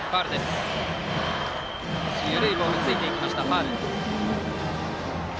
緩いボールについていってファウル。